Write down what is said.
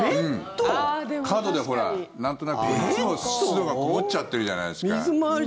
角で、ほら、なんとなくいつも湿度がこもっちゃってるじゃないですか。